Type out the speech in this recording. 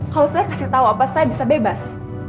kalau saya kasih tahu apa saya bisa bebas